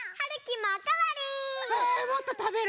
もっとたべる？